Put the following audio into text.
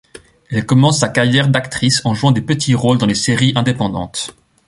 Elle commence sa carrière d'actrice en jouant des petits rôles dans des séries indépendantes.